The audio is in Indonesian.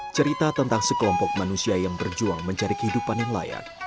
cerita tentang sekelompok manusia yang berjuang mencari kehidupan yang layak